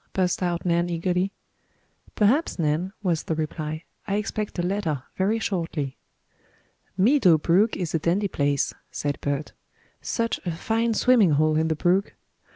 burst out Nan eagerly. "Perhaps, Nan," was the reply. "I expect a letter very shortly." "Meadow Brook is a dandy place," said Bert. "Such a fine swimming hole in the brook!"